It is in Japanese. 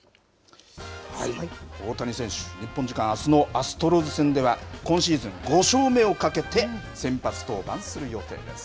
大谷選手、日本時間あすのアストロズ戦では、今シーズン５勝目をかけて、先発登板する予定です。